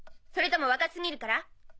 それとも若過ぎるから？